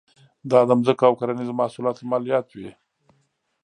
دا د ځمکو او کرنیزو محصولاتو مالیات وې.